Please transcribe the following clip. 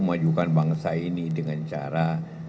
memajukan bangsa ini dengan cara